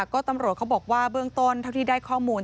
ก็ตำรวจเขาบอกว่าเบื้องต้นเท่าที่ได้ข้อมูล